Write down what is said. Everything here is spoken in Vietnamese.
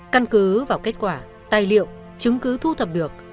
căn cứ vào kết quả tài liệu chứng cứ thu thập được